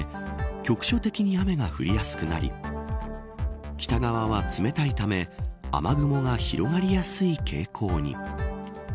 局所的に雨が降りやすくなり北側は冷たいため雨雲が広がりやすい傾向に。